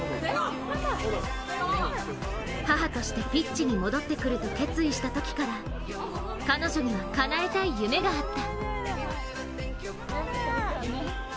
母としてピッチに戻ってくると決意したときから、彼女には、かなえたい夢があった。